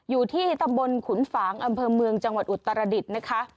อยู่ที่ตำบลขุนฝางอำเภอเมืองจังหวัดอุตรดิษฐ์นะคะ